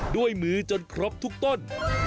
ด้วยมือจนครบทุกต้น